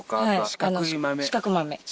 四角豆！